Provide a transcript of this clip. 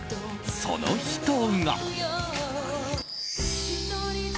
その人が。